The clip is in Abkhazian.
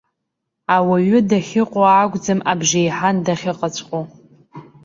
Ауаҩы дахьыҟоу акәӡам абжеиҳан дахьыҟаҵәҟьоу.